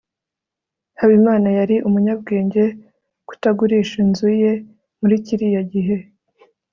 habimana yari umunyabwenge kutagurisha inzu ye muri kiriya gihe